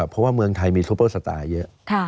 เพราะว่าเมืองไทยมีซูเปอร์สตาร์เยอะ